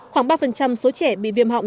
khoảng ba số trẻ bị viêm họng